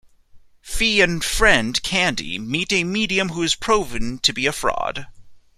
Fi and friend Candy meet a medium who is proven to be a fraud.